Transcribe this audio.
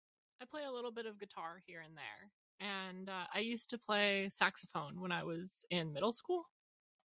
I play a little bit of guitar here and there. And, uh, I used to play saxophone when I was in middle school.